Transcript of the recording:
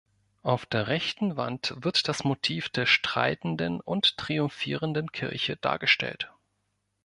Auf der rechten Wand wird das Motiv der Streitenden und Triumphierenden Kirche dargestellt.